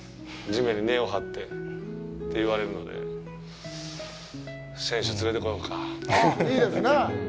地面に根を張ってって、言われるので、選手連れてこようか。